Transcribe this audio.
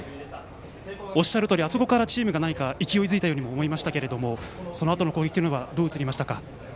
おっしゃるとおりあそこからチームが勢いづいたようにも思いましたけどもそのあとの攻撃にはどう映りましたか？